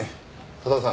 多田さん